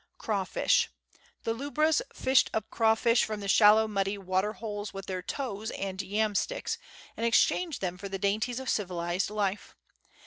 Craivfish. The lubras fished up crawfish from the shallow muddy water holes with their toes and yam sticks, and exchanged them for the dainties of civilized life.